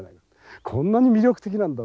「こんなに魅力的なんだ。